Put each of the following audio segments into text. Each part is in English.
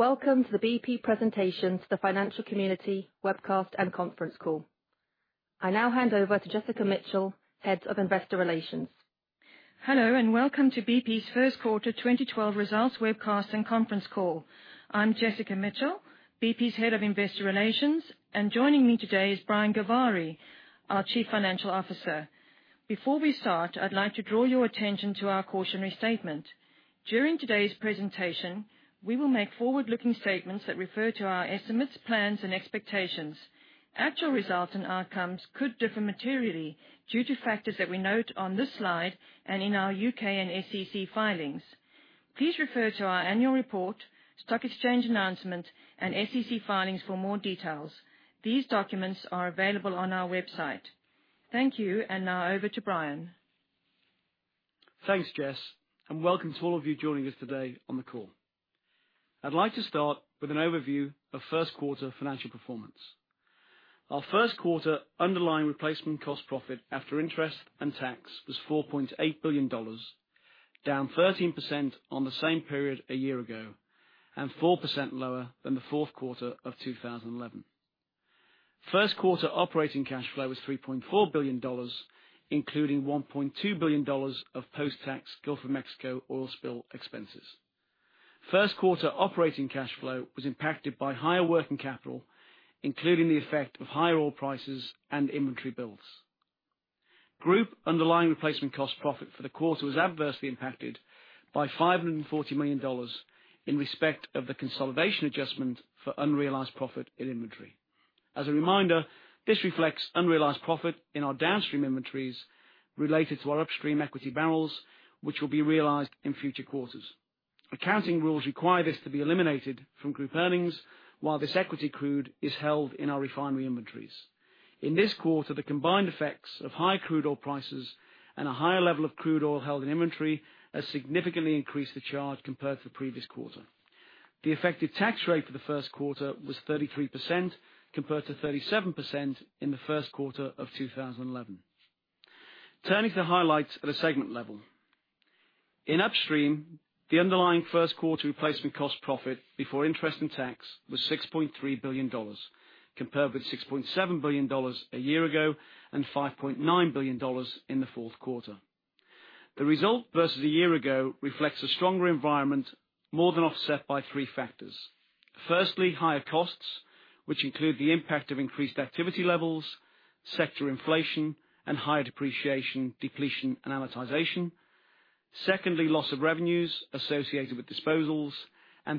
Welcome to the BP presentation to the financial community webcast and conference call. I now hand over to Jessica Mitchell, Head of Investor Relations. Hello, welcome to BP's first quarter 2012 results webcast and conference call. I'm Jessica Mitchell, Head of Investor Relations, and joining me today is Brian Gilvary, our Chief Financial Officer. Before we start, I'd like to draw your attention to our cautionary statement. During today's presentation, we will make forward-looking statements that refer to our estimates, plans, and expectations. Actual results and outcomes could differ materially due to factors that we note on this slide and in our U.K. and SEC filings. Please refer to our annual report, stock exchange announcement, and SEC filings for more details. These documents are available on our website. Thank you, now over to Brian. Thanks, Jess, welcome to all of you joining us today on the call. I'd like to start with an overview of first quarter financial performance. Our first quarter underlying replacement cost profit after interest and tax was $4.8 billion, down 13% on the same period a year ago, 4% lower than the fourth quarter of 2011. First quarter operating cash flow was $3.4 billion, including $1.2 billion of post-tax Gulf of Mexico oil spill expenses. First quarter operating cash flow was impacted by higher working capital, including the effect of higher oil prices and inventory builds. Group underlying replacement cost profit for the quarter was adversely impacted by $540 million in respect of the consolidation adjustment for unrealized profit in inventory. As a reminder, this reflects unrealized profit in our downstream inventories related to our upstream equity barrels, which will be realized in future quarters. Accounting rules require this to be eliminated from group earnings while this equity crude is held in our refinery inventories. In this quarter, the combined effects of high crude oil prices and a higher level of crude oil held in inventory has significantly increased the charge compared to the previous quarter. The effective tax rate for the first quarter was 33%, compared to 37% in the first quarter of 2011. Turning to the highlights at a segment level. In upstream, the underlying first-quarter replacement cost profit before interest and tax was $6.3 billion, compared with $6.7 billion a year ago and $5.9 billion in the fourth quarter. The result versus a year ago reflects a stronger environment more than offset by three factors. Firstly, higher costs, which include the impact of increased activity levels, sector inflation, and higher depreciation, depletion, and amortization. Secondly, loss of revenues associated with disposals.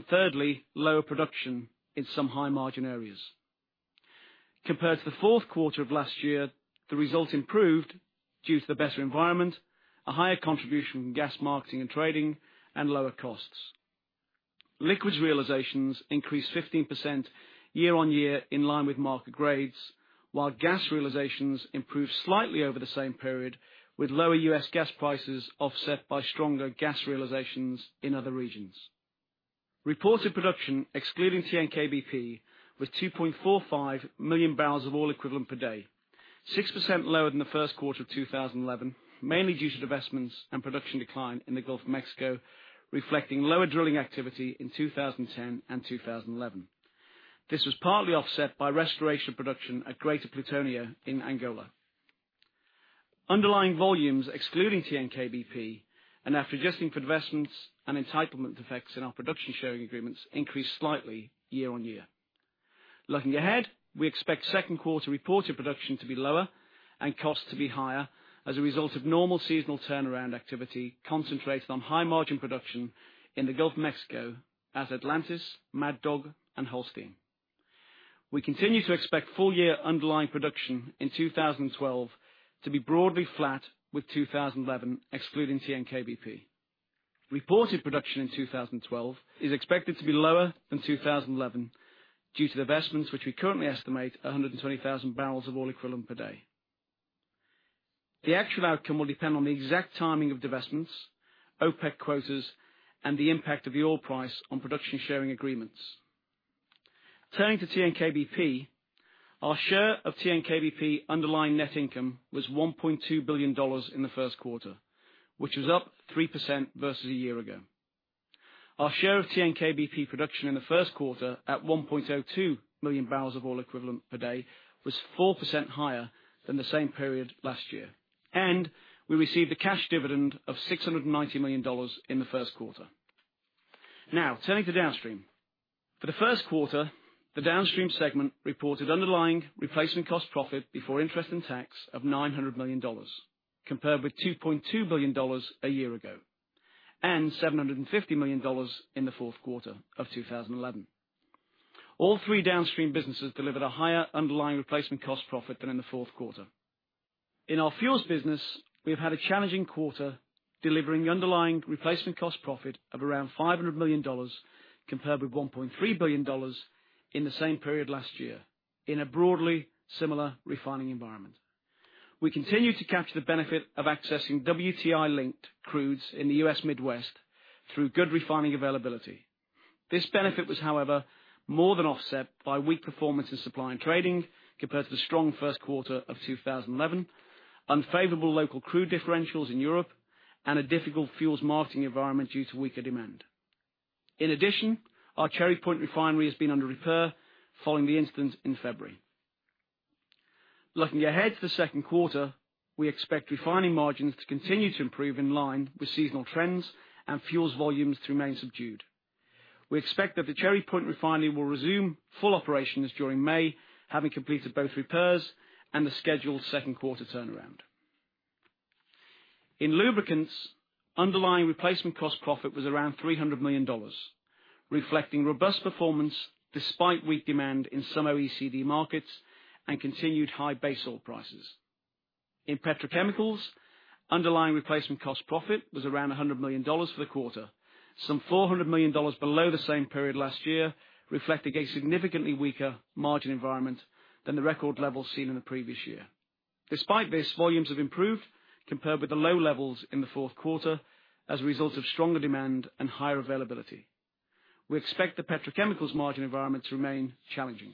Thirdly, lower production in some high-margin areas. Compared to the fourth quarter of last year, the result improved due to the better environment, a higher contribution from gas marketing and trading, and lower costs. Liquids realizations increased 15% year-on-year in line with market grades, while gas realizations improved slightly over the same period, with lower U.S. gas prices offset by stronger gas realizations in other regions. Reported production, excluding TNK-BP, was 2.45 million barrels of oil equivalent per day, 6% lower than the first quarter of 2011, mainly due to divestments and production decline in the Gulf of Mexico, reflecting lower drilling activity in 2010 and 2011. This was partly offset by restoration of production at Greater Plutonio in Angola. Underlying volumes, excluding TNK-BP, and after adjusting for divestments and entitlement effects in our production sharing agreements, increased slightly year-on-year. Looking ahead, we expect second-quarter reported production to be lower and costs to be higher as a result of normal seasonal turnaround activity concentrated on high-margin production in the Gulf of Mexico as Atlantis, Mad Dog, and Holstein. We continue to expect full-year underlying production in 2012 to be broadly flat with 2011, excluding TNK-BP. Reported production in 2012 is expected to be lower than 2011 due to divestments, which we currently estimate 120,000 barrels of oil equivalent per day. The actual outcome will depend on the exact timing of divestments, OPEC quotas, and the impact of the oil price on production sharing agreements. Turning to TNK-BP, our share of TNK-BP underlying net income was $1.2 billion in the first quarter, which was up 3% versus a year ago. Our share of TNK-BP production in the first quarter at 1.02 million barrels of oil equivalent per day was 4% higher than the same period last year, and we received a cash dividend of $690 million in the first quarter. Turning to Downstream. For the first quarter, the Downstream segment reported underlying replacement cost profit before interest and tax of $900 million, compared with $2.2 billion a year ago, and $750 million in the fourth quarter of 2011. All three Downstream businesses delivered a higher underlying replacement cost profit than in the fourth quarter. In our Fuels business, we have had a challenging quarter, delivering underlying replacement cost profit of around $500 million, compared with $1.3 billion in the same period last year in a broadly similar refining environment. We continue to capture the benefit of accessing WTI-linked crudes in the U.S. Midwest through good refining availability. This benefit was, however, more than offset by weak performance in supply and trading compared to the strong first quarter of 2011, unfavorable local crude differentials in Europe, and a difficult fuels marketing environment due to weaker demand. In addition, our Cherry Point Refinery has been under repair following the incident in February. Looking ahead to the second quarter, we expect refining margins to continue to improve in line with seasonal trends and fuels volumes to remain subdued. We expect that the Cherry Point Refinery will resume full operations during May, having completed both repairs and the scheduled second quarter turnaround. In lubricants, underlying replacement cost profit was around $300 million, reflecting robust performance despite weak demand in some OECD markets and continued high base oil prices. In petrochemicals, underlying replacement cost profit was around $100 million for the quarter, some $400 million below the same period last year, reflecting a significantly weaker margin environment than the record levels seen in the previous year. Despite this, volumes have improved compared with the low levels in the fourth quarter as a result of stronger demand and higher availability. We expect the petrochemicals margin environment to remain challenging.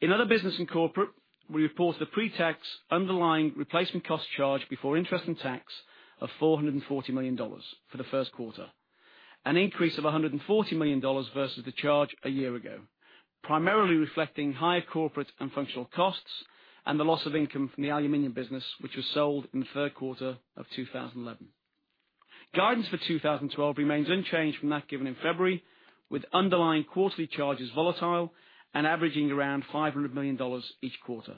In other business and corporate, we report a pre-tax underlying replacement cost charge before interest and tax of $440 million for the first quarter, an increase of $140 million versus the charge a year ago, primarily reflecting higher corporate and functional costs, and the loss of income from the aluminum business, which was sold in the third quarter of 2011. Guidance for 2012 remains unchanged from that given in February, with underlying quarterly charges volatile and averaging around $500 million each quarter.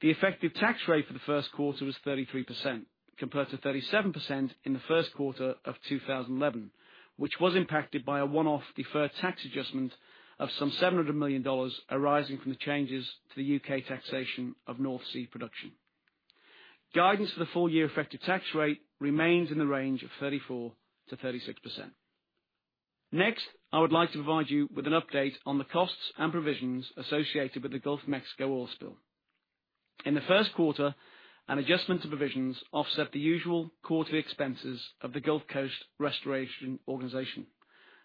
The effective tax rate for the first quarter was 33%, compared to 37% in the first quarter of 2011, which was impacted by a one-off deferred tax adjustment of some $700 million arising from the changes to the U.K. taxation of North Sea production. Guidance for the full-year effective tax rate remains in the range of 34%-36%. Next, I would like to provide you with an update on the costs and provisions associated with the Gulf of Mexico oil spill. In the first quarter, an adjustment to provisions offset the usual quarterly expenses of the Gulf Coast Restoration Organization,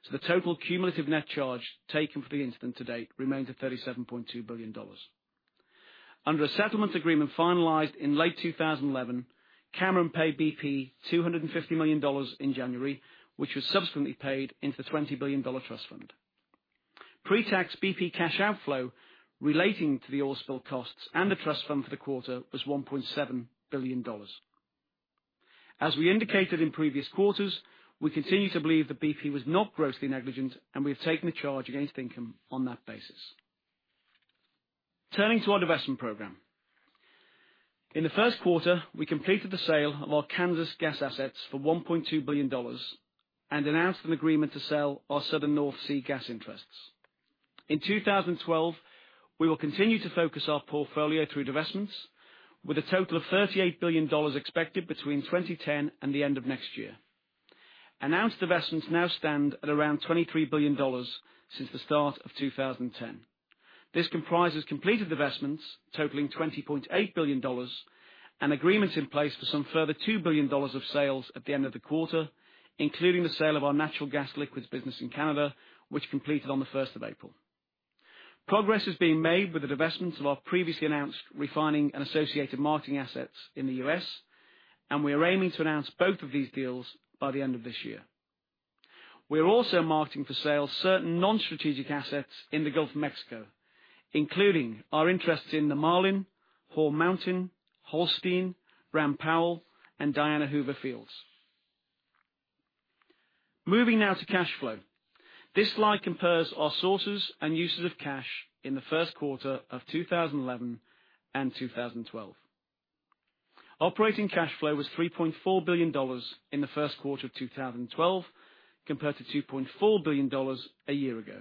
so the total cumulative net charge taken for the incident to date remains at $37.2 billion. Under a settlement agreement finalized in late 2011, Cameron paid BP $250 million in January, which was subsequently paid into the $20 billion trust fund. Pre-tax BP cash outflow relating to the oil spill costs and the trust fund for the quarter was $1.7 billion. As we indicated in previous quarters, we continue to believe that BP was not grossly negligent, and we have taken a charge against income on that basis. Turning to our divestment program. In the first quarter, we completed the sale of our Kansas gas assets for $1.2 billion and announced an agreement to sell our southern North Sea gas interests. In 2012, we will continue to focus our portfolio through divestments, with a total of $38 billion expected between 2010 and the end of next year. Announced divestments now stand at around $23 billion since the start of 2010. This comprises completed divestments totaling $20.8 billion and agreements in place for some further $2 billion of sales at the end of the quarter, including the sale of our natural gas liquids business in Canada, which completed on the 1st of April. Progress is being made with the divestments of our previously announced refining and associated marketing assets in the U.S., and we are aiming to announce both of these deals by the end of this year. We are also marketing for sale certain non-strategic assets in the Gulf of Mexico, including our interest in the Marlin, Horn Mountain, Holstein, Ram Powell, and Diana Hoover Fields. Moving now to cash flow. This slide compares our sources and uses of cash in the first quarter of 2011 and 2012. Operating cash flow was $3.4 billion in the first quarter of 2012, compared to $2.4 billion a year ago.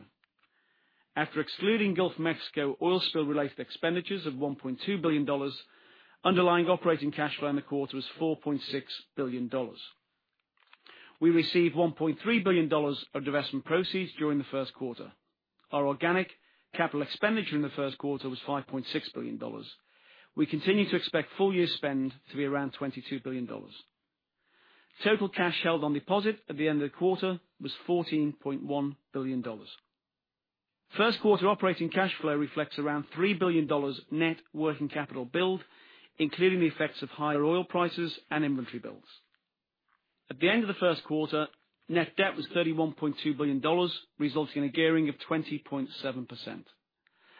After excluding Gulf of Mexico oil spill-related expenditures of $1.2 billion, underlying operating cash flow in the quarter was $4.6 billion. We received $1.3 billion of divestment proceeds during the first quarter. Our organic capital expenditure in the first quarter was $5.6 billion. We continue to expect full-year spend to be around $22 billion. Total cash held on deposit at the end of the quarter was $14.1 billion. First quarter operating cash flow reflects around $3 billion net working capital build, including the effects of higher oil prices and inventory builds. At the end of the first quarter, net debt was $31.2 billion, resulting in a gearing of 20.7%.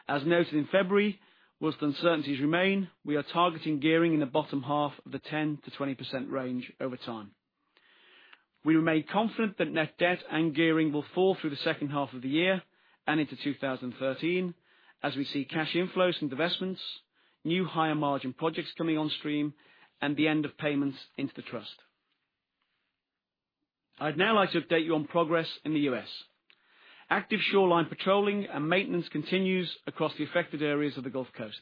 As noted in February, whilst uncertainties remain, we are targeting gearing in the bottom half of the 10%-20% range over time. We remain confident that net debt and gearing will fall through the second half of the year and into 2013 as we see cash inflows from divestments, new higher margin projects coming on stream, and the end of payments into the trust. I'd now like to update you on progress in the U.S. Active shoreline patrolling and maintenance continues across the affected areas of the Gulf Coast.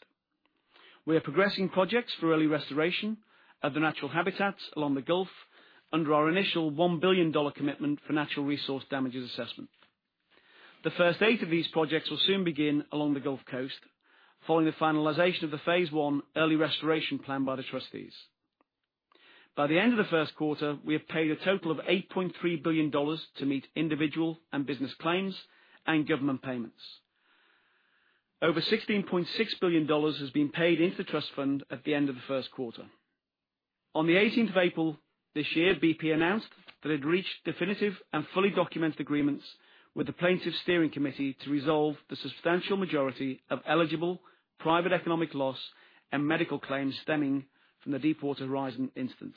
We are progressing projects for early restoration of the natural habitats along the Gulf under our initial $1 billion commitment for Natural Resource Damage Assessment. The first eight of these projects will soon begin along the Gulf Coast, following the finalization of the phase one early restoration plan by the trustees. By the end of the first quarter, we have paid a total of $8.3 billion to meet individual and business claims and government payments. Over $16.6 billion has been paid into the trust fund at the end of the first quarter. On the 18th of April this year, BP announced that it reached definitive and fully documented agreements with the Plaintiffs' Steering Committee to resolve the substantial majority of eligible private economic loss and medical claims stemming from the Deepwater Horizon incident.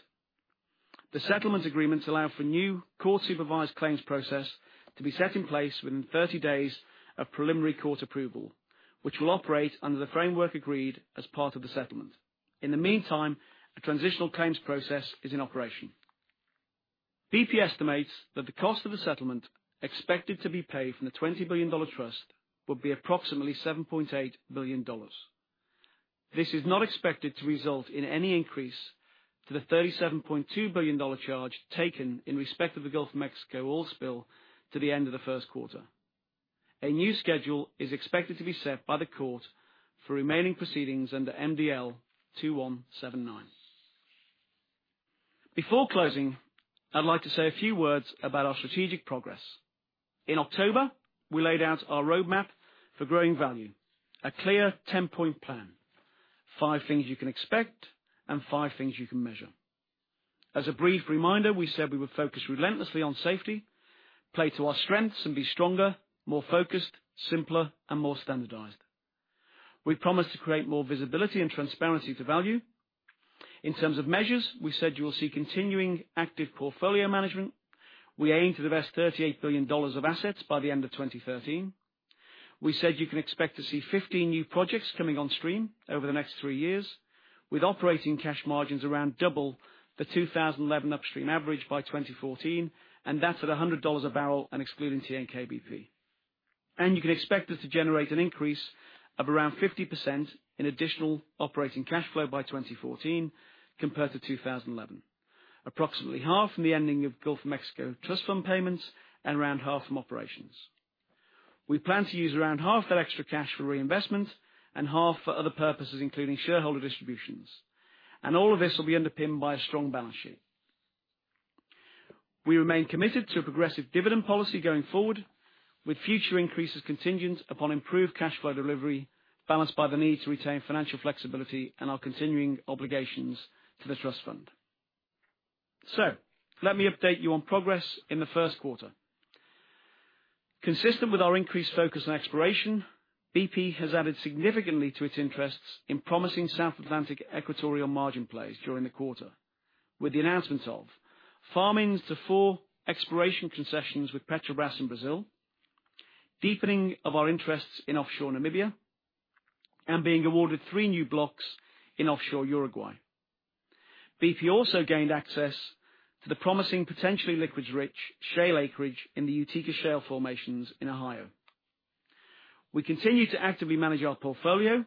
The settlement agreements allow for new court-supervised claims process to be set in place within 30 days of preliminary court approval, which will operate under the framework agreed as part of the settlement. In the meantime, a transitional claims process is in operation. BP estimates that the cost of the settlement expected to be paid from the $20 billion trust will be approximately $7.8 billion. This is not expected to result in any increase to the $37.2 billion charge taken in respect of the Gulf of Mexico oil spill to the end of the first quarter. A new schedule is expected to be set by the court for remaining proceedings under MDL 2179. Before closing, I'd like to say a few words about our strategic progress. In October, BP laid out our roadmap for growing value, a clear 10-point plan, five things you can expect and five things you can measure. As a brief reminder, we said we would focus relentlessly on safety, play to our strengths, and be stronger, more focused, simpler, and more standardized. We promised to create more visibility and transparency to value. In terms of measures, we said you will see continuing active portfolio management. We aim to divest $38 billion of assets by the end of 2013. We said you can expect to see 15 new projects coming on stream over the next three years, with operating cash margins around double the 2011 upstream average by 2014, and that's at $100 a barrel and excluding TNK-BP. You can expect us to generate an increase of around 50% in additional operating cash flow by 2014 compared to 2011. Approximately half from the ending of Gulf of Mexico trust fund payments and around half from operations. We plan to use around half that extra cash for reinvestment and half for other purposes, including shareholder distributions. All of this will be underpinned by a strong balance sheet. We remain committed to a progressive dividend policy going forward, with future increases contingent upon improved cash flow delivery, balanced by the need to retain financial flexibility and our continuing obligations to the trust fund. Let me update you on progress in the first quarter. Consistent with our increased focus on exploration, BP has added significantly to its interests in promising South Atlantic equatorial margin plays during the quarter, with the announcement of farm-ins to four exploration concessions with Petrobras in Brazil, deepening of our interests in offshore Namibia, and being awarded three new blocks in offshore Uruguay. BP also gained access to the promising, potentially liquids-rich shale acreage in the Utica shale formations in Ohio. We continue to actively manage our portfolio.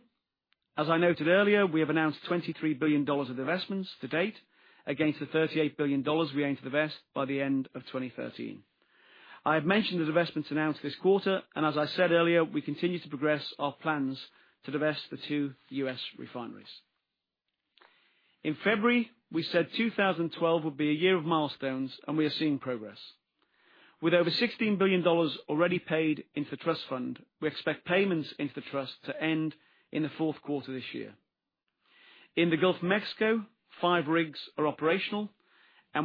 As I noted earlier, we have announced $23 billion of divestments to date against the $38 billion we aim to divest by the end of 2013. I have mentioned the divestments announced this quarter. As I said earlier, we continue to progress our plans to divest the two U.S. refineries. In February, we said 2012 would be a year of milestones. We are seeing progress. With over $16 billion already paid into the trust fund, we expect payments into the trust to end in the fourth quarter this year. In the Gulf of Mexico, five rigs are operational.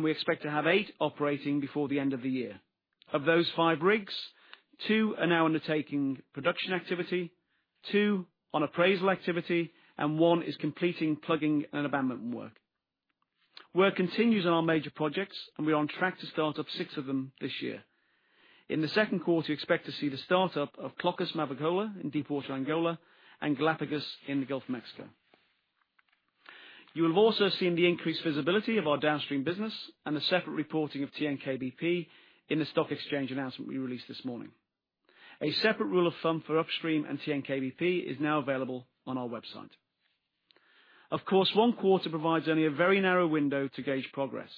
We expect to have eight operating before the end of the year. Of those five rigs, two are now undertaking production activity, two on appraisal activity, and one is completing plugging and abandonment work. Work continues on our major projects. We are on track to start up six of them this year. In the second quarter, you expect to see the start-up of Clochas, Mavacola in Deepwater, Angola, and Galapagos in the Gulf of Mexico. You have also seen the increased visibility of our downstream business and the separate reporting of TNK-BP in the stock exchange announcement we released this morning. A separate rule of thumb for upstream and TNK-BP is now available on our website. Of course, one quarter provides only a very narrow window to gauge progress.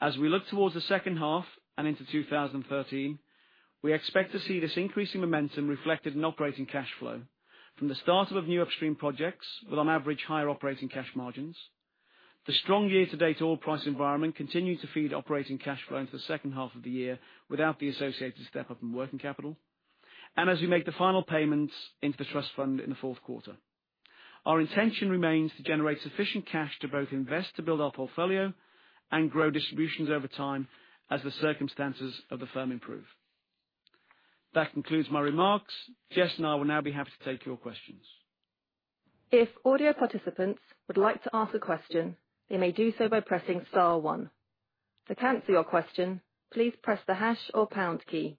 As we look towards the second half and into 2013, we expect to see this increasing momentum reflected in operating cash flow from the start-up of new upstream projects with on average higher operating cash margins. The strong year-to-date oil price environment continues to feed operating cash flow into the second half of the year without the associated step-up in working capital. As we make the final payments into the trust fund in the fourth quarter. Our intention remains to generate sufficient cash to both invest to build our portfolio and grow distributions over time as the circumstances of the firm improve. That concludes my remarks. Jess and I will now be happy to take your questions. If audio participants would like to ask a question, they may do so by pressing star one. To cancel your question, please press the hash or pound key.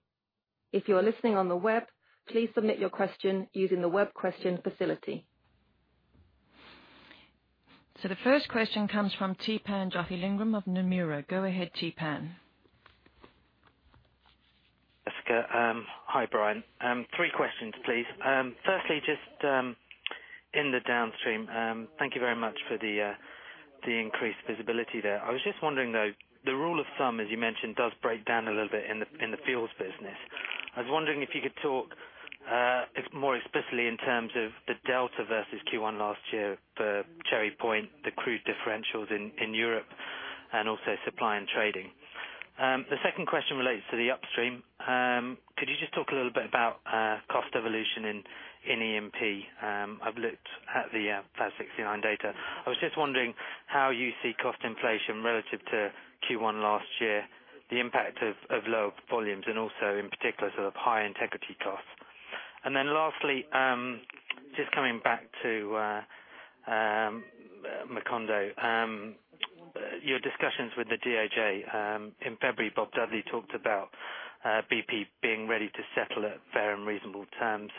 If you are listening on the web, please submit your question using the web question facility. The first question comes from Theepan Jothilingam of Nomura. Go ahead, Theepan. Jessica. Hi, Brian. Three questions, please. Firstly, just in the downstream, thank you very much for the increased visibility there. I was just wondering, though rule of thumb, as you mentioned, does break down a little bit in the fuels business. I was wondering if you could talk more explicitly in terms of the delta versus Q1 last year for Cherry Point, the crude differentials in Europe, and also supply and trading. The second question relates to the upstream. Could you just talk a little bit about cost evolution in E&P? I've looked at the FASB 69 data. I was just wondering how you see cost inflation relative to Q1 last year, the impact of lower volumes, and also in particular, high integrity costs. Then lastly, just coming back to Macondo, your discussions with the DOJ. In February, Bob Dudley talked about BP being ready to settle at fair and reasonable terms.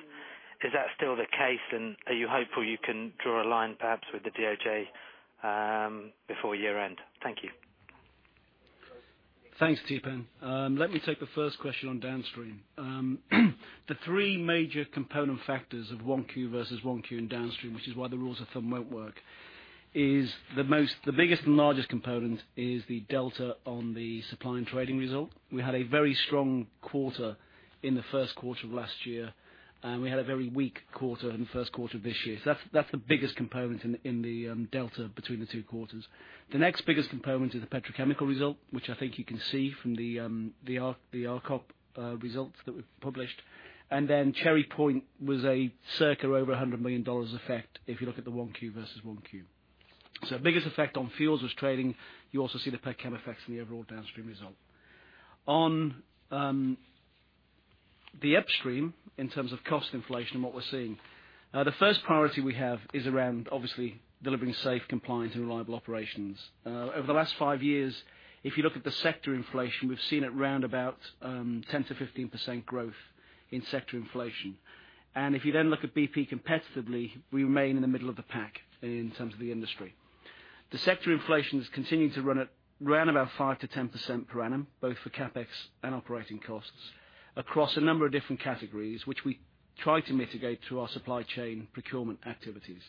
Is that still the case? Are you hopeful you can draw a line, perhaps, with the DOJ before year-end? Thank you. Thanks, Theepan. Let me take the first question on downstream. The three major component factors of 1Q versus 1Q in downstream, which is why the rules of thumb won't work, is the biggest and largest component is the delta on the supply and trading result. We had a very strong quarter in the first quarter of last year, and we had a very weak quarter in the first quarter of this year. That's the biggest component in the delta between the two quarters. The next biggest component is the petrochemical result, which I think you can see from the RCOP results that we've published. Cherry Point was a circa over GBP 100 million effect if you look at the 1Q versus 1Q. The biggest effect on fuels was trading. You also see the petchem effects in the overall downstream result. On the upstream, in terms of cost inflation and what we're seeing, the first priority we have is around, obviously, delivering safe compliance and reliable operations. Over the last five years, if you look at the sector inflation, we've seen it round about 10%-15% growth in sector inflation. If you then look at BP competitively, we remain in the middle of the pack in terms of the industry. The sector inflation has continued to run around about 5%-10% per annum, both for CapEx and operating costs, across a number of different categories, which we try to mitigate through our supply chain procurement activities.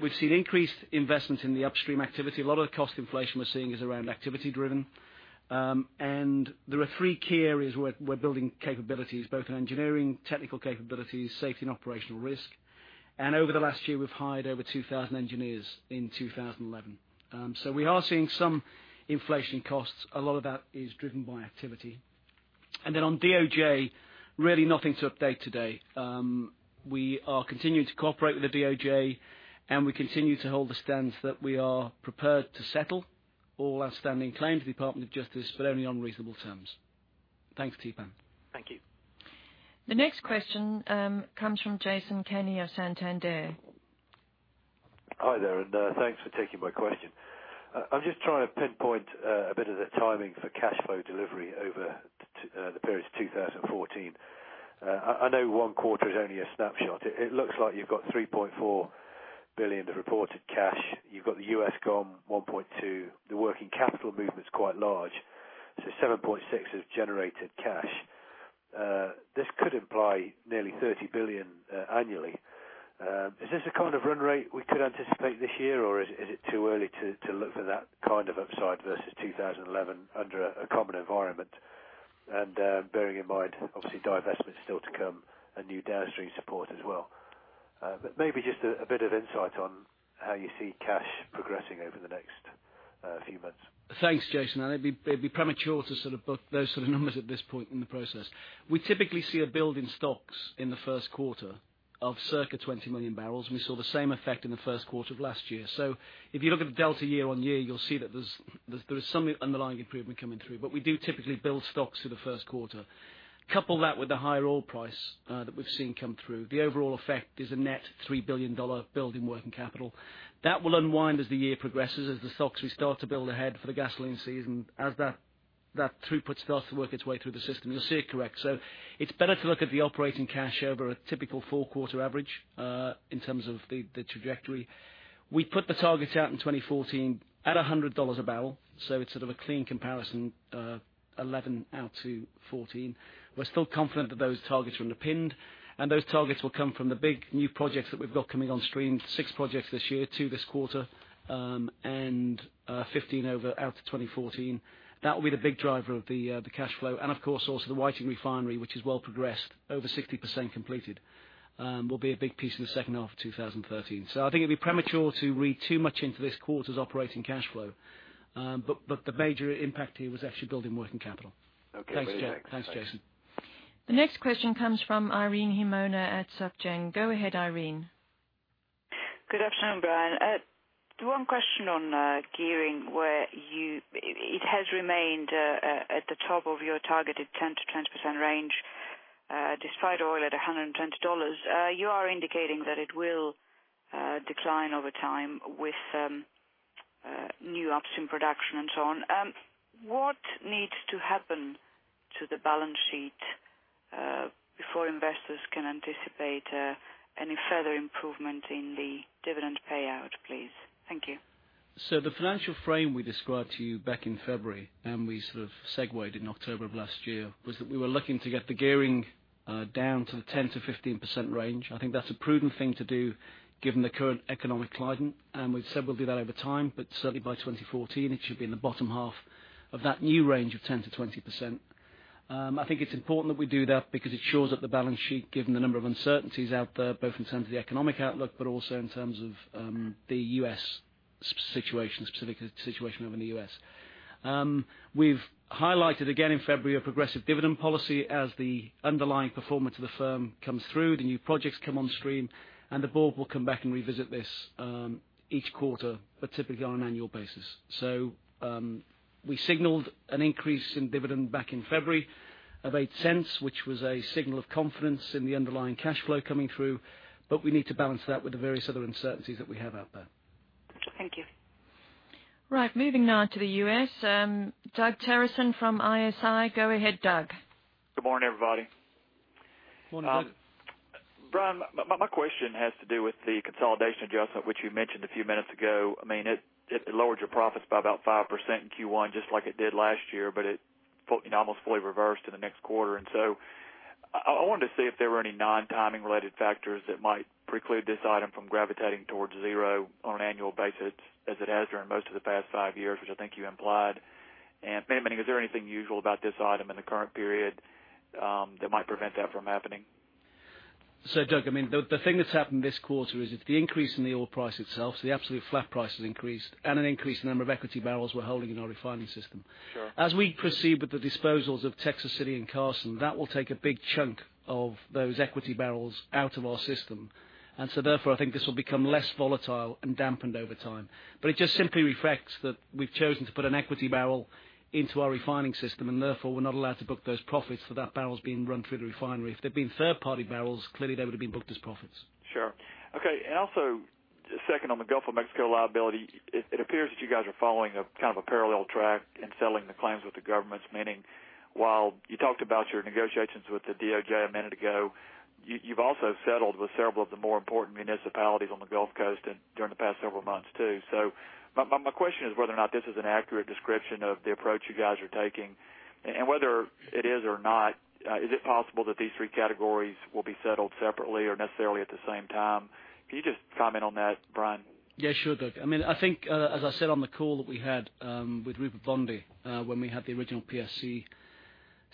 We've seen increased investment in the upstream activity. A lot of the cost inflation we're seeing is around activity driven. There are three key areas where we're building capabilities, both in engineering, technical capabilities, safety, and operational risk. Over the last year, we've hired over 2,000 engineers in 2011. We are seeing some inflation costs. A lot of that is driven by activity. On DOJ, really nothing to update today. We are continuing to cooperate with the DOJ, and we continue to hold the stance that we are prepared to settle all outstanding claims to the Department of Justice, but only on reasonable terms. Thanks, Tipan. Thank you. The next question comes from Jason Kenney of Santander. Hi there, thanks for taking my question. I'm just trying to pinpoint a bit of the timing for cash flow delivery over the period to 2014. I know one quarter is only a snapshot. It looks like you've got $3.4 billion of reported cash. You've got the US GOM $1.2. The working capital movement's quite large. $7.6 is generated cash. This could imply nearly $30 billion annually. Is this the kind of run rate we could anticipate this year, or is it too early to look for that kind of upside versus 2011 under a carbon environment? Bearing in mind, obviously, divestments are still to come and new downstream support as well. Maybe just a bit of insight on how you see cash progressing over the next few months. Thanks, Jason. It'd be premature to book those sort of numbers at this point in the process. We typically see a build in stocks in the first quarter of circa 20 million barrels, and we saw the same effect in the first quarter of last year. If you look at the delta year-on-year, you'll see that there is some underlying improvement coming through. We do typically build stocks through the first quarter. Couple that with the higher oil price that we've seen come through. The overall effect is a net $3 billion build in working capital. That will unwind as the year progresses, as the stocks we start to build ahead for the gasoline season, as that throughput starts to work its way through the system. You'll see it correct. It's better to look at the operating cash over a typical four-quarter average, in terms of the trajectory. We put the targets out in 2014 at $100 a barrel, it's sort of a clean comparison, 2011 out to 2014. We're still confident that those targets are underpinned, and those targets will come from the big new projects that we've got coming on stream, six projects this year, two this quarter, and 15 out to 2014. That will be the big driver of the cash flow, and of course also the Whiting Refinery, which is well progressed, over 60% completed, will be a big piece in the second half of 2013. I think it'd be premature to read too much into this quarter's operating cash flow. The major impact here was actually building working capital. Okay. Thanks, Jason. The next question comes from Irene Himona at Société Générale. Go ahead, Irene. Good afternoon, Brian. One question on gearing, where it has remained at the top of your targeted 10%-20% range, despite oil at $120. You are indicating that it will decline over time with new upstream production and so on. What needs to happen to the balance sheet, before investors can anticipate any further improvement in the dividend payout, please? Thank you. The financial frame we described to you back in February, and we sort of segued in October of last year, was that we were looking to get the gearing down to the 10%-15% range. I think that's a prudent thing to do given the current economic climate, and we've said we'll do that over time, but certainly by 2014, it should be in the bottom half of that new range of 10%-20%. I think it's important that we do that because it shores up the balance sheet, given the number of uncertainties out there, both in terms of the economic outlook, but also in terms of the specific situation over in the U.S. We've highlighted again in February a progressive dividend policy as the underlying performance of the firm comes through, the new projects come on stream, and the board will come back and revisit this each quarter, but typically on an annual basis. We signaled an increase in dividend back in February of $0.08, which was a signal of confidence in the underlying cash flow coming through, but we need to balance that with the various other uncertainties that we have out there. Thank you. Right. Moving now to the U.S., Doug Terreson from ISI. Go ahead, Doug. Good morning, everybody. Morning, Doug. Brian, my question has to do with the consolidation adjustment which you mentioned a few minutes ago. It lowered your profits by about 5% in Q1, just like it did last year, but it almost fully reversed in the next quarter. I wanted to see if there were any non-timing related factors that might preclude this item from gravitating towards zero on an annual basis as it has during most of the past five years, which I think you implied. Maybe, is there anything usual about this item in the current period that might prevent that from happening? Doug, the thing that's happened this quarter is it's the increase in the oil price itself, the absolute flat price has increased and an increased number of equity barrels we're holding in our refining system. Sure. As we proceed with the disposals of Texas City and Carson, that will take a big chunk of those equity barrels out of our system. Therefore, I think this will become less volatile and dampened over time. It just simply reflects that we've chosen to put an equity barrel into our refining system, and therefore, we're not allowed to book those profits for that barrel that's been run through the refinery. If they'd been third-party barrels, clearly they would have been booked as profits. Sure. Okay. Also, second on the Gulf of Mexico liability, it appears that you guys are following a parallel track in settling the claims with the governments, meaning while you talked about your negotiations with the DOJ a minute ago, you've also settled with several of the more important municipalities on the Gulf Coast during the past several months, too. My question is whether or not this is an accurate description of the approach you guys are taking, and whether it is or not, is it possible that these three categories will be settled separately or necessarily at the same time? Can you just comment on that, Brian? Yeah, sure, Doug. I think, as I said on the call that we had with Rupert Bondy when we had the original PSC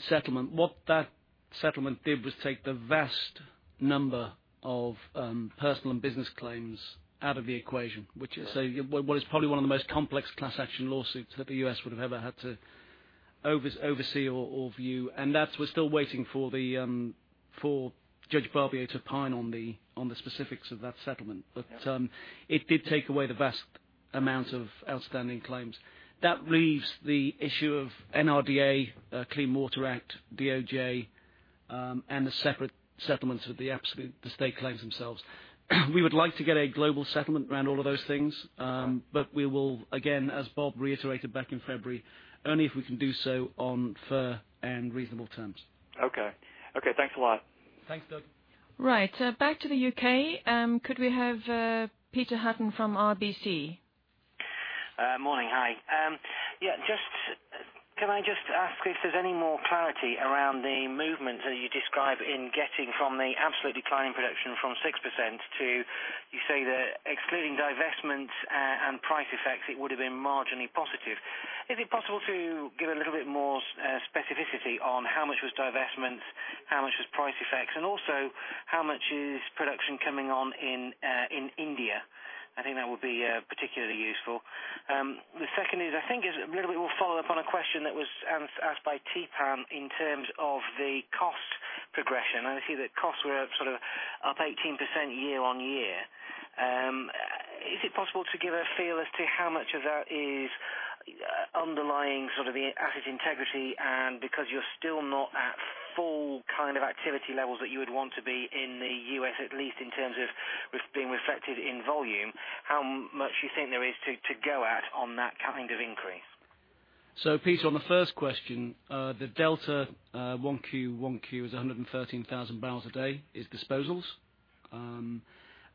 settlement, what that settlement did was take the vast number of personal and business claims out of the equation. What is probably one of the most complex class action lawsuits that the U.S. would have ever had to oversee or view, and that we're still waiting for Judge Barbier to opine on the specifics of that settlement. It did take away the vast amount of outstanding claims. That leaves the issue of NRDA, Clean Water Act, DOJ, and the separate settlements with the absolute, the state claims themselves. We would like to get a global settlement around all of those things, but we will, again, as Bob reiterated back in February, only if we can do so on fair and reasonable terms. Okay. Thanks a lot. Thanks, Doug. Right. Back to the U.K. Could we have Peter Hutton from RBC? Morning. Hi. Can I just ask if there's any more clarity around the movement that you describe in getting from the absolute decline in production from 6% to, you say that excluding divestments and price effects, it would have been marginally positive. Is it possible to give a little bit more specificity on how much was divestments, how much was price effects, and also how much is production coming on in India? I think that would be particularly useful. The second is, I think is a little bit more follow-up on a question that was asked by Theepan in terms of the cost progression. I see that costs were up 18% year-on-year. Is it possible to give a feel as to how much of that is underlying the asset integrity and because you're still not at full activity levels that you would want to be in the U.S., at least in terms of being reflected in volume, how much you think there is to go at on that kind of increase? Peter, on the first question, the delta 1Q1Q is 113,000 barrels a day is disposals.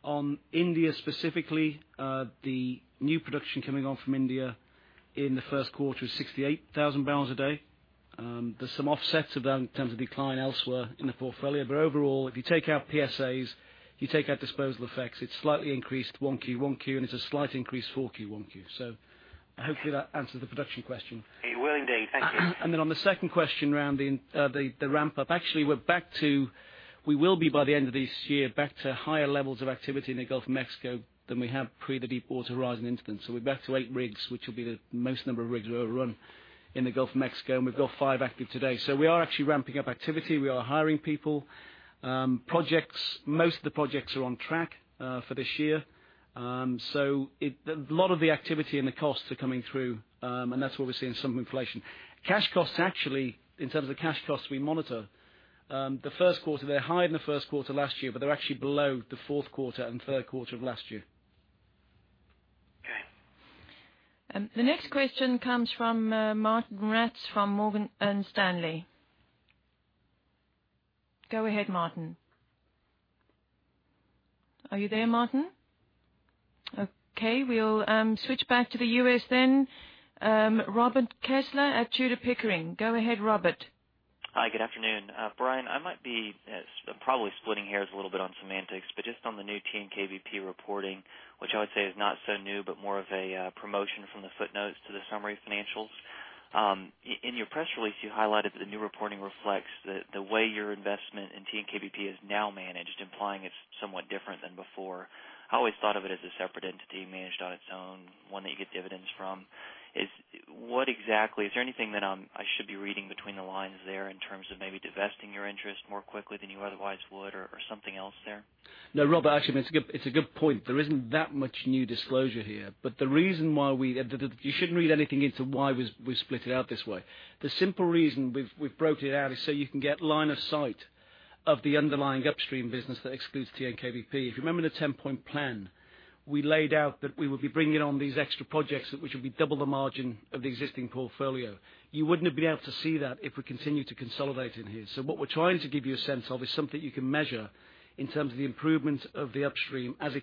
On India specifically, the new production coming on from India in the first quarter is 68,000 barrels a day. There's some offsets of that in terms of decline elsewhere in the portfolio. Overall, if you take out PSAs, you take out disposal effects, it's slightly increased 1Q1Q, and it's a slight increase 4Q1Q. I hope that answers the production question. It will indeed. Thank you. On the second question around the ramp up, actually, we will be by the end of this year, back to higher levels of activity in the Gulf of Mexico than we have pre the Deepwater Horizon incident. We're back to eight rigs, which will be the most number of rigs we've ever run in the Gulf of Mexico, and we've got five active today. We are actually ramping up activity. We are hiring people. Most of the projects are on track for this year. A lot of the activity and the costs are coming through, and that's why we're seeing some inflation. Cash costs actually, in terms of the cash costs we monitor, the first quarter, they're higher than the first quarter last year, but they're actually below the fourth quarter and third quarter of last year. Okay. The next question comes from Martijn Rats from Morgan Stanley. Go ahead, Martijn. Are you there, Martijn? Okay, we'll switch back to the U.S. then. Robert Kessler at Tudor, Pickering. Go ahead, Robert. Hi, good afternoon. Brian, I might be probably splitting hairs a little bit on semantics, but just on the new TNK-BP reporting, which I would say is not so new but more of a promotion from the footnotes to the summary financials. In your press release, you highlighted the new reporting reflects the way your investment in TNK-BP is now managed, implying it's somewhat different than before. I always thought of it as a separate entity managed on its own, one that you get dividends from. Is there anything that I should be reading between the lines there in terms of maybe divesting your interest more quickly than you otherwise would or something else there? No, Rob, actually, it's a good point. There isn't that much new disclosure here. You shouldn't read anything into why we split it out this way. The simple reason we've broken it out is so you can get line of sight of the underlying upstream business that excludes TNK-BP. If you remember the 10-point plan, we laid out that we would be bringing on these extra projects, which would be double the margin of the existing portfolio. You wouldn't have been able to see that if we continued to consolidate in here. What we're trying to give you a sense of is something you can measure in terms of the improvement of the upstream as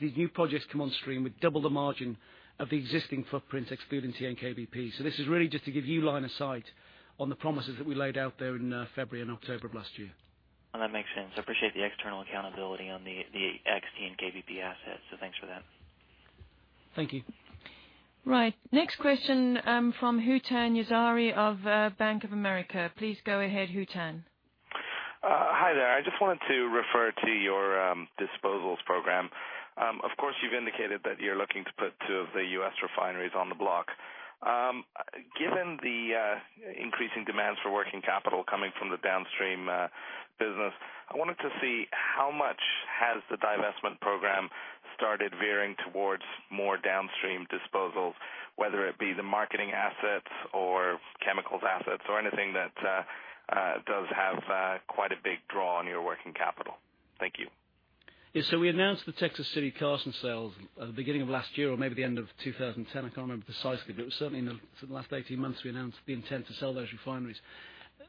these new projects come on stream with double the margin of the existing footprint, excluding TNK-BP. This is really just to give you line of sight on the promises that we laid out there in February and October of last year. That makes sense. I appreciate the external accountability on the ex-TNK-BP assets, thanks for that. Thank you. Right. Next question from Hootan Yazhari of Bank of America. Please go ahead, Hootan. Hi there. I just wanted to refer to your disposals program. Of course, you've indicated that you're looking to put two of the U.S. refineries on the block. Given the increasing demands for working capital coming from the downstream business, I wanted to see how much has the divestment program started veering towards more downstream disposals, whether it be the marketing assets or chemicals assets or anything that does have quite a big draw on your working capital. Thank you. Yeah. We announced the Texas City Carson sales at the beginning of last year or maybe the end of 2010. I can't remember precisely, but it was certainly in the last 18 months, we announced the intent to sell those refineries.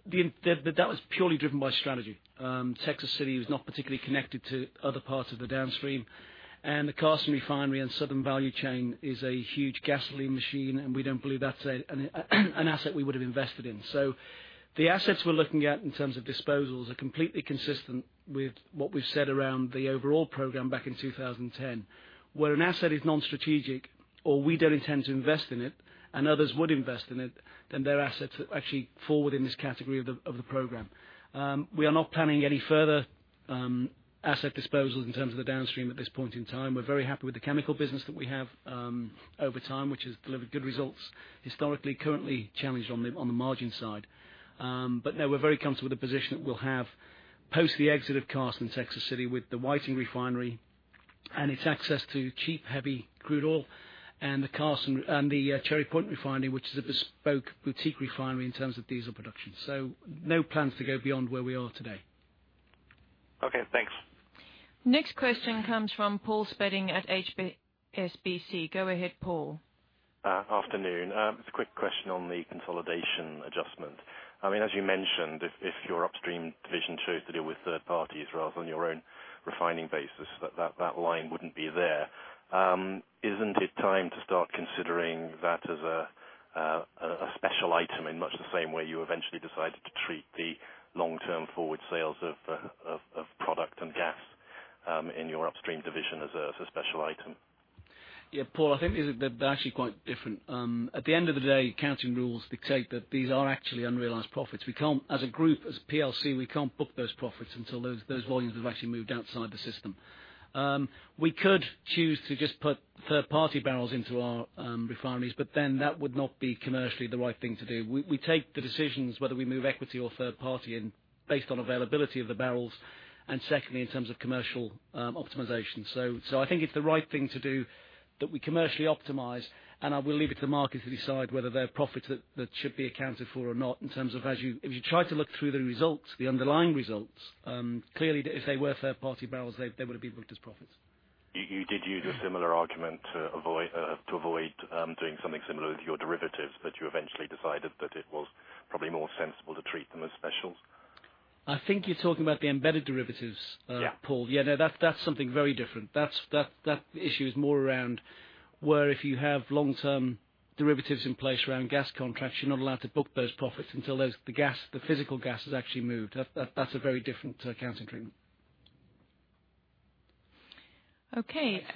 That was purely driven by strategy. Texas City was not particularly connected to other parts of the downstream, and the Carson Refinery and Southern Value Chain is a huge gasoline machine, and we don't believe that's an asset we would have invested in. The assets we're looking at in terms of disposals are completely consistent with what we've said around the overall program back in 2010. Where an asset is non-strategic or we don't intend to invest in it and others would invest in it, then their assets actually fall within this category of the program. We are not planning any further asset disposals in terms of the downstream at this point in time. We're very happy with the chemical business that we have over time, which has delivered good results historically, currently challenged on the margin side. No, we're very comfortable with the position that we'll have post the exit of Carson Texas City with the Whiting Refinery and its access to cheap, heavy crude oil and the Cherry Point Refinery, which is a bespoke boutique refinery in terms of diesel production. No plans to go beyond where we are today. Okay, thanks. Next question comes from Paul Spedding at HSBC. Go ahead, Paul. Afternoon. Just a quick question on the consolidation adjustment. As you mentioned, if your upstream division chose to deal with third parties rather than your own refining basis, that line wouldn't be there. Isn't it time to start considering that as a special item in much the same way you eventually decided to treat the long-term forward sales of product and gas in your upstream division as a special item? Yeah, Paul, I think they're actually quite different. At the end of the day, accounting rules dictate that these are actually unrealized profits. As a group, as a PLC, we can't book those profits until those volumes have actually moved outside the system. We could choose to just put third-party barrels into our refineries, but then that would not be commercially the right thing to do. We take the decisions whether we move equity or third party based on availability of the barrels, and secondly, in terms of commercial optimization. I think it's the right thing to do that we commercially optimize, and I will leave it to the market to decide whether they're profits that should be accounted for or not in terms of if you try to look through the results, the underlying results, clearly, if they were third-party barrels, they would have been booked as profits. You did use a similar argument to avoid doing something similar with your derivatives, but you eventually decided that it was probably more sensible to treat them as specials? I think you're talking about the embedded derivatives Yeah Paul. Yeah, no, that's something very different. That issue is more around where if you have long-term derivatives in place around gas contracts, you're not allowed to book those profits until the physical gas has actually moved. That's a very different accounting treatment. Okay. Thanks,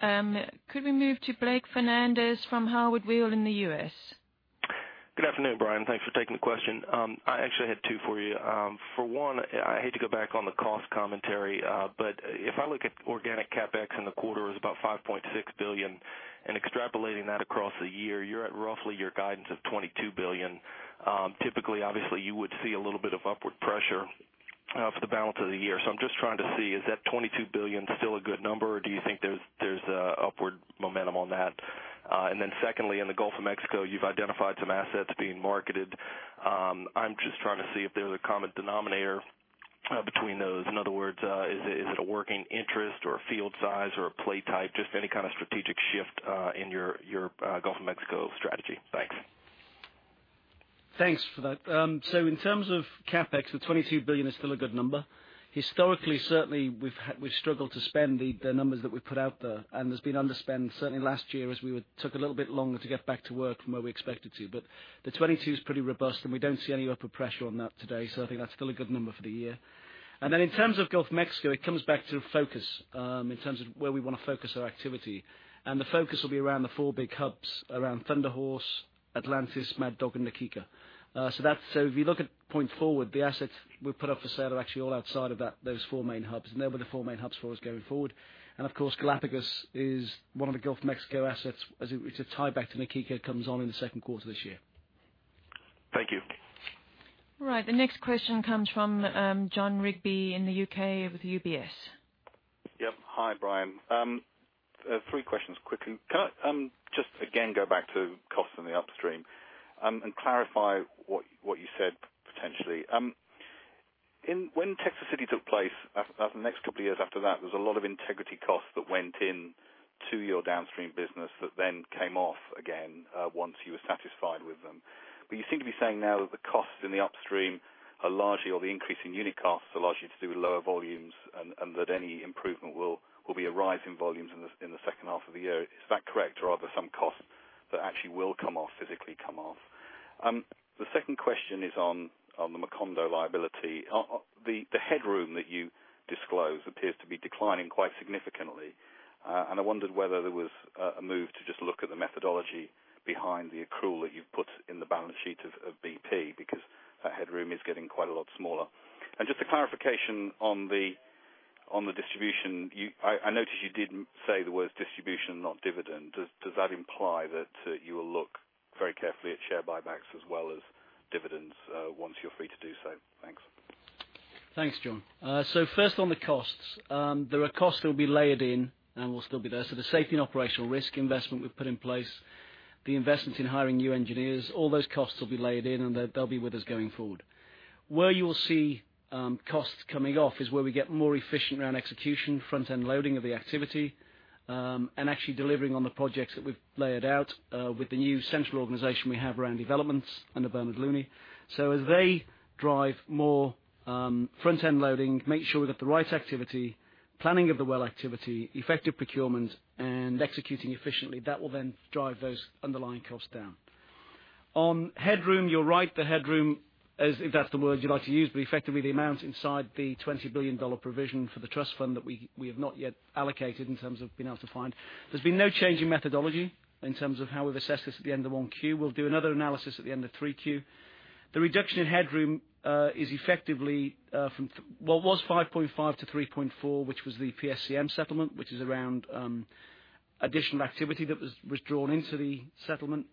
Paul. Could we move to Blake Fernandez from Howard Weil in the U.S.? Good afternoon, Brian. Thanks for taking the question. I actually had two for you. For one, I hate to go back on the cost commentary, but if I look at organic CapEx in the quarter is about $5.6 billion, extrapolating that across the year, you're at roughly your guidance of $22 billion. Typically, obviously, you would see a little bit of upward pressure for the balance of the year. I'm just trying to see, is that $22 billion still a good number, or do you think there's upward momentum on that? Secondly, in the Gulf of Mexico, you've identified some assets being marketed. I'm just trying to see if there's a common denominator between those. In other words, is it a working interest or a field size or a play type? Just any kind of strategic shift in your Gulf of Mexico strategy. Thanks. Thanks for that. In terms of CapEx, the $22 billion is still a good number. Historically, certainly, we've struggled to spend the numbers that we've put out there, and there's been underspend certainly last year as we took a little bit longer to get back to work from where we expected to. The 22 is pretty robust, and we don't see any upward pressure on that today. I think that's still a good number for the year. In terms of Gulf of Mexico, it comes back to focus, in terms of where we want to focus our activity. The focus will be around the four big hubs, around Thunder Horse, Atlantis, Mad Dog, and Na Kika. If you look at point forward, the assets we've put up for sale are actually all outside of those four main hubs, and they're where the four main hubs for us going forward. Of course, Galapagos is one of the Gulf of Mexico assets. As it's a tieback to Na Kika, comes on in the second quarter of this year. Thank you. Right. The next question comes from Jon Rigby in the U.K. with UBS. Yep. Hi, Brian. Three questions quickly. Can I just again go back to costs in the upstream, and clarify what you said potentially? When Texas City took place, the next couple of years after that, there was a lot of integrity costs that went in to your downstream business that then came off again, once you were satisfied with them. You seem to be saying now that the costs in the upstream are largely, or the increase in unit costs are largely to do with lower volumes, and that any improvement will be a rise in volumes in the second half of the year. Is that correct? Are there some costs that actually will come off, physically come off? The second question is on the Macondo liability. The headroom that you disclose appears to be declining quite significantly. I wondered whether there was a move to just look at the methodology behind the accrual that you've put in the balance sheet of BP, because that headroom is getting quite a lot smaller. Just a clarification on the distribution. I noticed you did say the words distribution, not dividend. Does that imply that you will look very carefully at share buybacks as well as dividends, once you're free to do so? Thanks. Thanks, Jon. First on the costs. There are costs that will be layered in and will still be there. The safety and operational risk investment we've put in place, the investments in hiring new engineers, all those costs will be layered in, and they'll be with us going forward. Where you will see costs coming off is where we get more efficient around execution, front-end loading of the activity, and actually delivering on the projects that we've layered out, with the new central organization we have around developments under Bernard Looney. As they drive more front-end loading, make sure we've got the right activity, planning of the well activity, effective procurement, and executing efficiently, that will then drive those underlying costs down. On headroom, you're right, the headroom, if that's the word you'd like to use, but effectively the amount inside the $20 billion provision for the trust fund that we have not yet allocated in terms of being able to find. There's been no change in methodology in terms of how we've assessed this at the end of 1Q. We'll do another analysis at the end of 3Q. The reduction in headroom is effectively from what was $5.5 billion-$3.4 billion, which was the PSC settlement, which is around additional activity that was drawn into the settlement.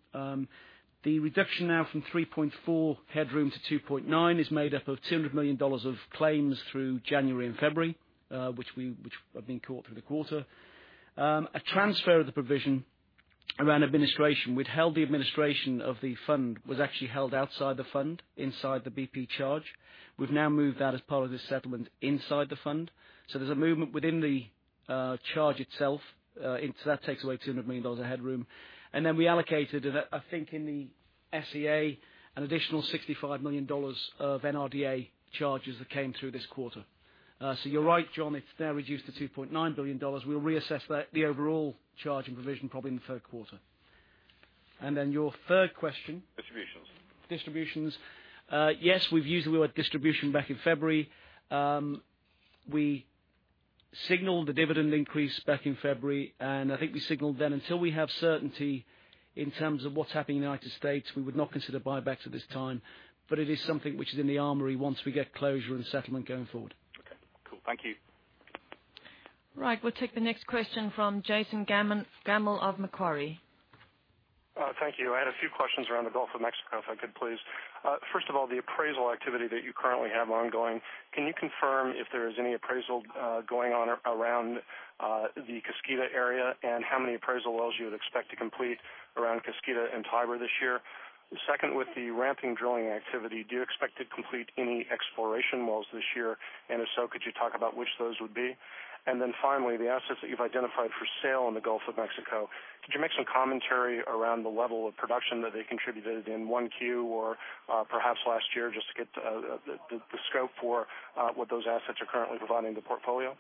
The reduction now from $3.4 billion headroom to $2.9 billion is made up of $200 million of claims through January and February, which have been caught through the quarter. A transfer of the provision around administration. We'd held the administration of the fund, was actually held outside the fund, inside the BP charge. We've now moved that as part of this settlement inside the fund. There's a movement within the charge itself. That takes away $200 million of headroom. We allocated, I think in the SEA, an additional $65 million of NRDA charges that came through this quarter. You're right, Jon, it's now reduced to $2.9 billion. We'll reassess the overall charge and provision probably in the third quarter. Your third question. Distributions. Distributions. Yes, we've used the word distribution back in February. We signaled the dividend increase back in February. I think we signaled then until we have certainty in terms of what's happening in the U.S., we would not consider buybacks at this time. It is something which is in the armory once we get closure and settlement going forward. Okay, cool. Thank you. We'll take the next question from Jason Gammel of Macquarie. Thank you. I had a few questions around the Gulf of Mexico, if I could, please. First of all, the appraisal activity that you currently have ongoing, can you confirm if there is any appraisal going on around the Kaskida area, and how many appraisal wells you would expect to complete around Kaskida and Tiber this year? Second, with the ramping drilling activity, do you expect to complete any exploration wells this year? If so, could you talk about which those would be? Finally, the assets that you've identified for sale in the Gulf of Mexico, could you make some commentary around the level of production that they contributed in 1Q or perhaps last year, just to get the scope for what those assets are currently providing the portfolio?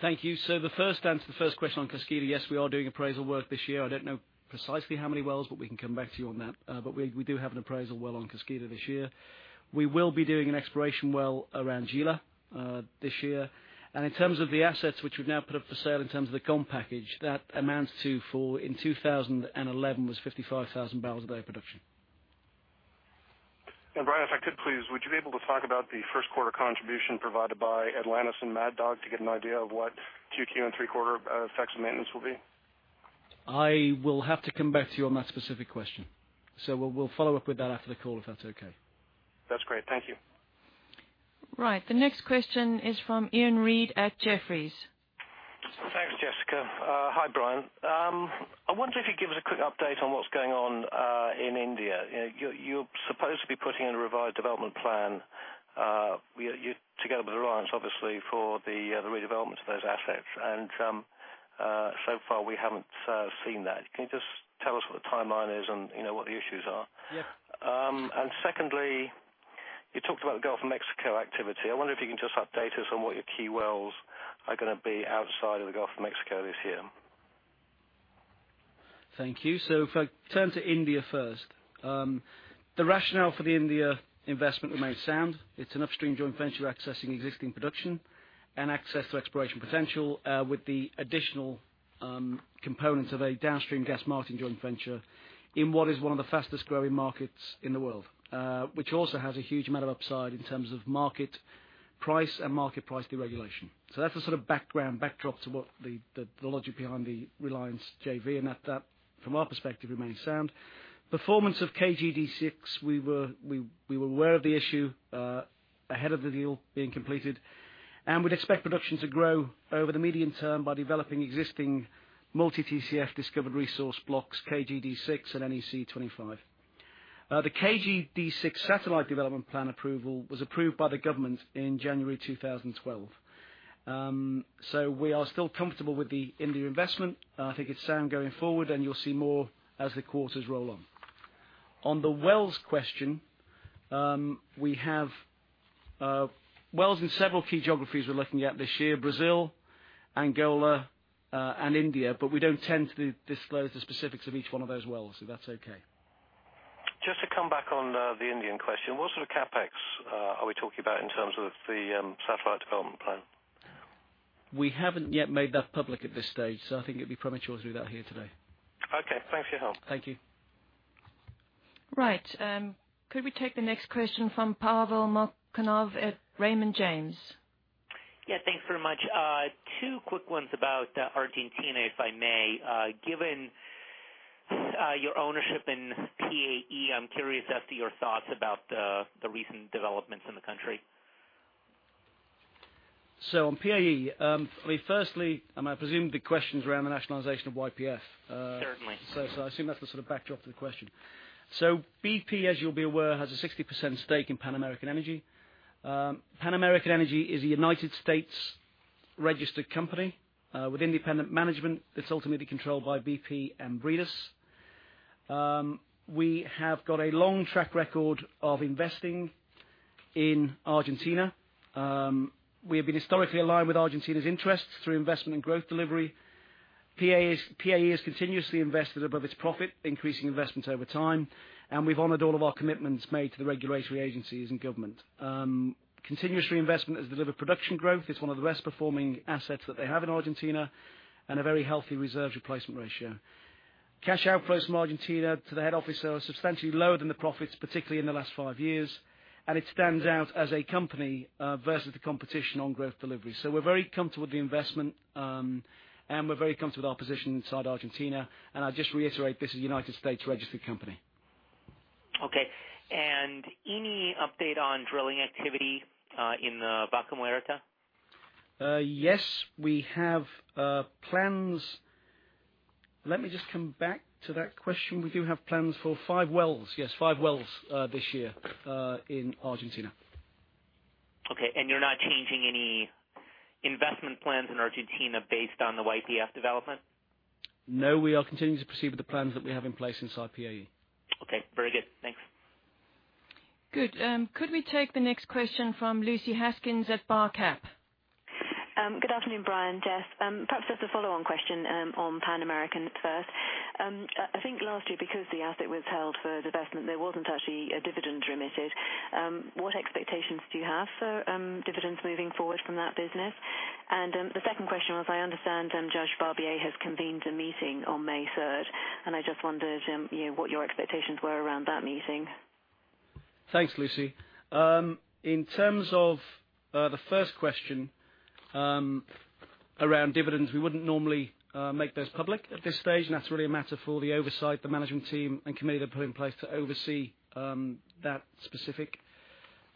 Thank you. To answer the first question on Kaskida, yes, we are doing appraisal work this year. I don't know precisely how many wells, we can come back to you on that. We do have an appraisal well on Kaskida this year. We will be doing an exploration well around Gila, this year. In terms of the assets which we've now put up for sale in terms of the GOM package, that amounts to for in 2011 was 55,000 barrels a day production. Brian, if I could please, would you be able to talk about the first quarter contribution provided by Atlantis and Mad Dog to get an idea of what 2Q and three-quarter effects of maintenance will be? I will have to come back to you on that specific question. We'll follow up with that after the call, if that's okay. That's great. Thank you. Right. The next question is from Iain Reid at Jefferies. Thanks, Jessica Mitchell. Hi, Brian Gilvary. I wonder if you could give us a quick update on what's going on in India. You're supposed to be putting in a revised development plan together with Reliance Industries, obviously, for the redevelopment of those assets. So far, we haven't seen that. Can you just tell us what the timeline is? What the issues are? Yeah. Secondly, you talked about the Gulf of Mexico activity. I wonder if you can just update us on what your key wells are going to be outside of the Gulf of Mexico this year. Thank you. If I turn to India first. The rationale for the India investment remains sound. It's an upstream joint venture accessing existing production and access to exploration potential with the additional components of a downstream gas marketing joint venture in what is one of the fastest-growing markets in the world, which also has a huge amount of upside in terms of market price and market price deregulation. That's the sort of background, backdrop to what the logic behind the Reliance Industries JV, and that from our perspective remains sound. Performance of KGD6, we were aware of the issue ahead of the deal being completed, and we'd expect production to grow over the medium term by developing existing multi-TCF discovered resource blocks, KGD6 and NEC-25. The KGD6 satellite development plan approval was approved by the government in January 2012. We are still comfortable with the India investment. I think it's sound going forward, you'll see more as the quarters roll on. On the wells question, we have wells in several key geographies we're looking at this year, Brazil, Angola and India, we don't tend to disclose the specifics of each one of those wells, if that's okay. Just to come back on the Indian question, what sort of CapEx are we talking about in terms of the satellite development plan? We haven't yet made that public at this stage. I think it'd be premature to do that here today. Okay, thanks for your help. Thank you. Right. Could we take the next question from Pavel Molchanov at Raymond James? Yeah, thanks very much. Two quick ones about Argentina, if I may. Given your ownership in PAE, I'm curious as to your thoughts about the recent developments in the country. On PAE, firstly, I presume the question is around the nationalization of YPF. Certainly. I assume that's the sort of backdrop to the question. BP, as you'll be aware, has a 60% stake in Pan American Energy. Pan American Energy is a United States registered company with independent management that's ultimately controlled by BP and Bridas. We have got a long track record of investing in Argentina. We have been historically aligned with Argentina's interests through investment and growth delivery. PAE has continuously invested above its profit, increasing investment over time, and we've honored all of our commitments made to the regulatory agencies and government. Continuous reinvestment has delivered production growth. It's one of the best-performing assets that they have in Argentina and a very healthy reserve replacement ratio. Cash outflows from Argentina to the head office are substantially lower than the profits, particularly in the last five years, and it stands out as a company versus the competition on growth delivery. We're very comfortable with the investment. We're very comfortable with our position inside Argentina. I just reiterate, this is a U.S. registered company. Okay. Any update on drilling activity in the Vaca Muerta? Yes, we have plans. Let me just come back to that question. We do have plans for five wells. Yes, five wells this year in Argentina. Okay, you're not changing any investment plans in Argentina based on the YPF development? No, we are continuing to proceed with the plans that we have in place inside PAE. Okay, very good. Thanks. Good. Could we take the next question from Lucy Haskins at BarCap? Good afternoon, Brian, Jess. Perhaps just a follow-on question on Pan American first. I think last year, because the asset was held for divestment, there wasn't actually a dividend remitted. What expectations do you have for dividends moving forward from that business? The second question was, I understand Judge Barbier has convened a meeting on May third, and I just wondered what your expectations were around that meeting. Thanks, Lucy. In terms of the first question around dividends, we wouldn't normally make those public at this stage, that's really a matter for the oversight, the management team and committee they put in place to oversee that specific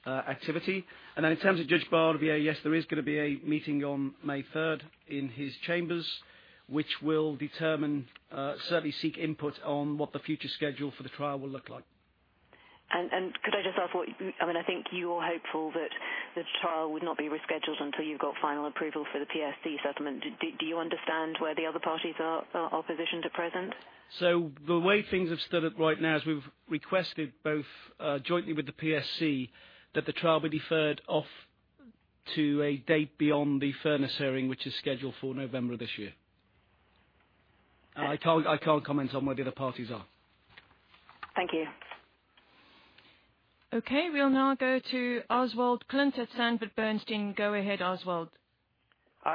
activity. In terms of Carl Barbier, yes, there is going to be a meeting on May third in his chambers, which will certainly seek input on what the future schedule for the trial will look like. Could I just ask, I think you were hopeful that the trial would not be rescheduled until you got final approval for the PSC settlement. Do you understand where the other parties are positioned at present? The way things have stood up right now is we've requested both jointly with the PSC that the trial be deferred off to a date beyond the fairness hearing, which is scheduled for November of this year. I can't comment on where the other parties are. Thank you. We will now go to Oswald Clint at Sanford C. Bernstein. Go ahead, Oswald.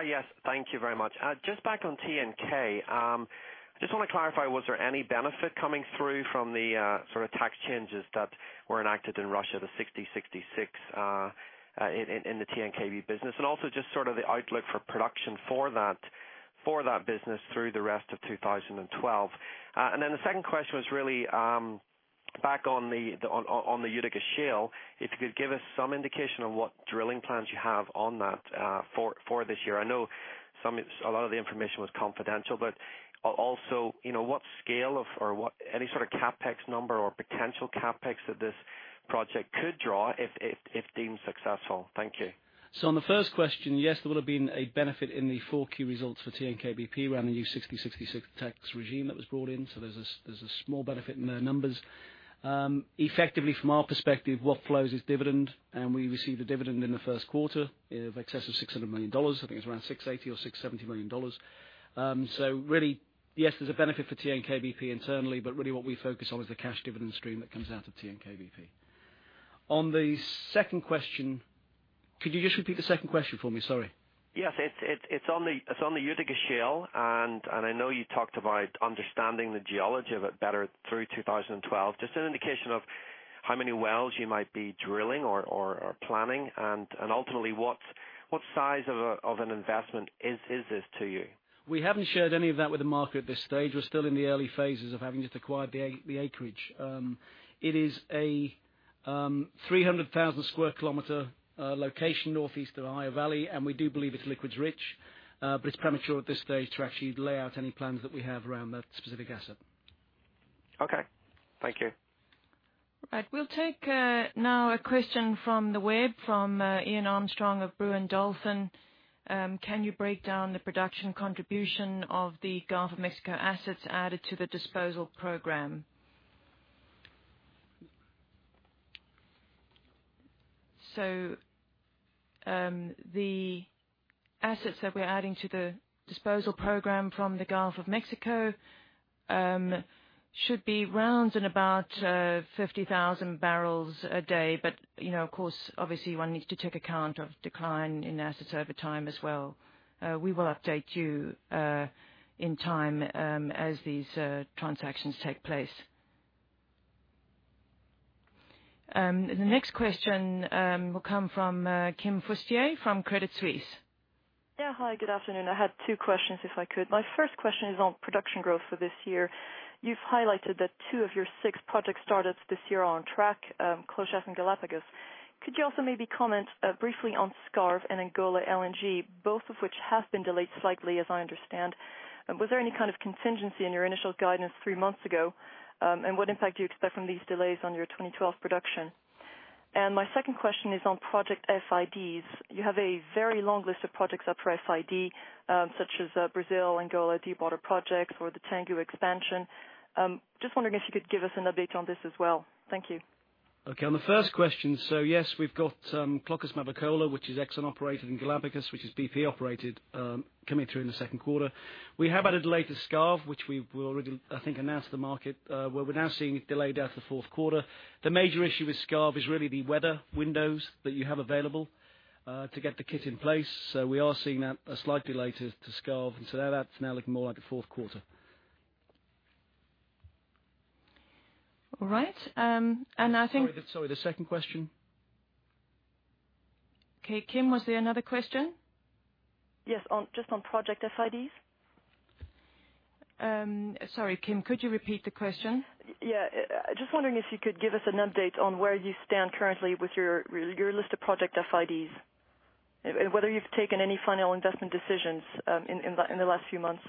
Yes, thank you very much. Just back on TNK. I just want to clarify, was there any benefit coming through from the tax changes that were enacted in Russia, the 60-66 in the TNK-BP business? Also just the outlook for production for that business through the rest of 2012. The second question was Back on the Utica Shale, if you could give us some indication of what drilling plans you have on that for this year. I know a lot of the information was confidential, but also what scale of, or any CapEx number or potential CapEx that this project could draw if deemed successful. Thank you. On the first question, yes, there would've been a benefit in the four key results for TNK-BP around the new 60/66 tax regime that was brought in. There's a small benefit in their numbers. Effectively, from our perspective, what flows is dividend, and we received a dividend in the first quarter in excess of $600 million. I think it's around $680 million or $670 million. Really, yes, there's a benefit for TNK-BP internally, but really what we focus on is the cash dividend stream that comes out of TNK-BP. On the second question, could you just repeat the second question for me? Sorry. Yes. It's on the Utica Shale, and I know you talked about understanding the geology of it better through 2012. Just an indication of how many wells you might be drilling or planning and ultimately, what size of an investment is this to you? We haven't shared any of that with the market at this stage. We're still in the early phases of having just acquired the acreage. It is a 300,000 square kilometer location northeast of Ohio Valley, and we do believe it's liquids rich. But it's premature at this stage to actually lay out any plans that we have around that specific asset. Okay. Thank you. We'll take now a question from the web from Iain Armstrong of Brewin Dolphin. Can you break down the production contribution of the Gulf of Mexico assets added to the disposal program? The assets that we're adding to the disposal program from the Gulf of Mexico should be around about 50,000 barrels a day. Of course, obviously one needs to take account of decline in assets over time as well. We will update you in time, as these transactions take place. The next question will come from Kim Fustier from Credit Suisse. Hi, good afternoon. I had two questions if I could. My first question is on production growth for this year. You've highlighted that two of your six project startups this year are on track, CLOV and Galapagos. Could you also maybe comment briefly on Skarv and Angola LNG, both of which have been delayed slightly, as I understand. Was there any kind of contingency in your initial guidance three months ago? What impact do you expect from these delays on your 2012 production? My second question is on project FIDs. You have a very long list of projects up for FID, such as Brazil, Angola deep water projects, or the Tangguh expansion. Just wondering if you could give us an update on this as well. Thank you. Okay. On the first question, yes, we've got Clochas, Mavacola, which is Exxon operated, and Galapagos, which is BP operated, coming through in the second quarter. We have had a delay to Skarv which we've already, I think, announced to the market, where we're now seeing it delayed out to the fourth quarter. The major issue with Skarv is really the weather windows that you have available to get the kit in place. We are seeing that slightly later to Skarv. That's now looking more like a fourth quarter. All right. I think- Sorry, the second question? Okay. Kim, was there another question? Yes. Just on project FIDs. Sorry, Kim, could you repeat the question? Yeah. Just wondering if you could give us an update on where you stand currently with your list of project FIDs. Whether you've taken any final investment decisions in the last few months.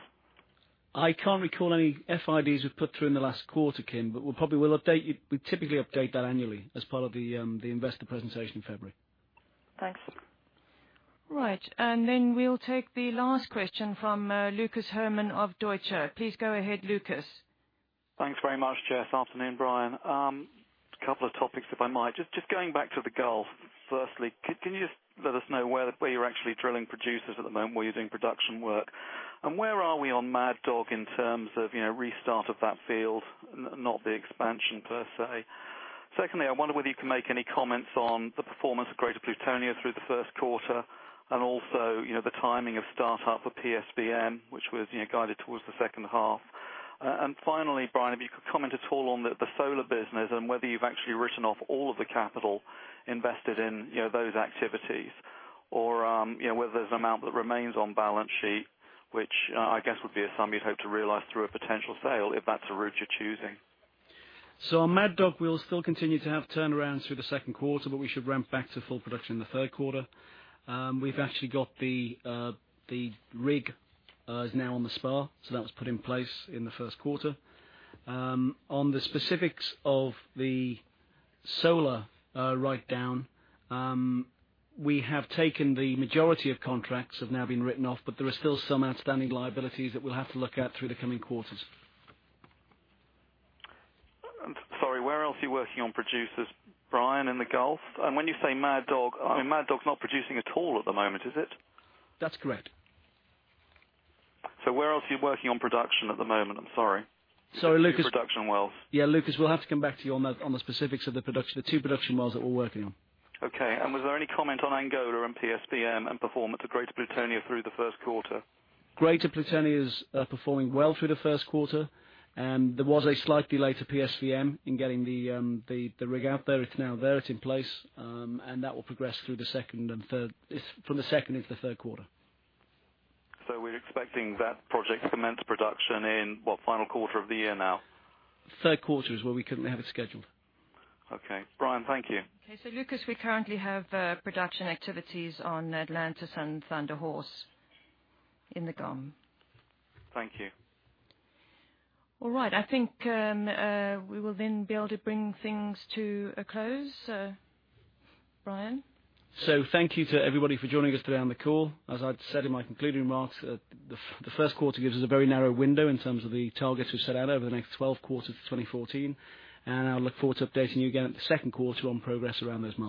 I can't recall any FIDs we've put through in the last quarter, Kim. We typically update that annually as part of the investor presentation in February. Thanks. Right. Then we'll take the last question from Lucas Herrmann of Deutsche. Please go ahead, Lucas. Thanks very much, Jess. Afternoon, Brian. Couple of topics, if I might. Just going back to the Gulf. Firstly, can you just let us know where you're actually drilling producers at the moment, where you're doing production work? Where are we on Mad Dog in terms of restart of that field, not the expansion per se. Secondly, I wonder whether you can make any comments on the performance of Greater Plutonio through the first quarter, also, the timing of startup for PSVM, which was guided towards the second half. Finally, Brian, if you could comment at all on the solar business and whether you've actually written off all of the capital invested in those activities. Whether there's an amount that remains on balance sheet, which I guess would be a sum you'd hope to realize through a potential sale, if that's a route you're choosing. On Mad Dog, we'll still continue to have turnarounds through the second quarter, we should ramp back to full production in the third quarter. We've actually got the rig is now on the spar, that was put in place in the first quarter. On the specifics of the solar writedown, we have taken the majority of contracts have now been written off, there are still some outstanding liabilities that we'll have to look at through the coming quarters. Sorry, where else are you working on producers, Brian, in the Gulf? When you say Mad Dog, Mad Dog's not producing at all at the moment, is it? That's correct. Where else are you working on production at the moment? I'm sorry. Lucas Production wells. Yeah, Lucas, we'll have to come back to you on the specifics of the two production wells that we're working on. Okay. Was there any comment on Angola and PSVM and performance of Greater Plutonio through the first quarter? Greater Plutonio is performing well through the first quarter. There was a slightly later PSVM in getting the rig out there. It's now there. It's in place. That will progress from the second into the third quarter. We're expecting that project to commence production in what, final quarter of the year now? Third quarter is where we currently have it scheduled. Okay. Brian, thank you. Okay. Lucas, we currently have production activities on Atlantis and Thunder Horse in the GOM. Thank you. All right. I think we will then be able to bring things to a close. Brian? Thank you to everybody for joining us today on the call. As I'd said in my concluding remarks, the first quarter gives us a very narrow window in terms of the targets we've set out over the next 12 quarters of 2014. I look forward to updating you again at the second quarter on progress around those milestones.